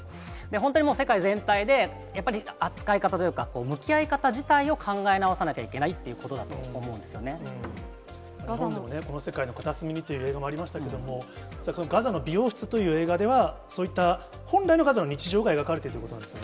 本当にもう世界全体で、やっぱり扱い方というか、向き合い方自体を考え直さなきゃいけないっていうことだと思うんこの世界の片隅にという映画もありましたけども、ガザの美容室という映画では、そういった本来のガザの日常が描かれているということですか。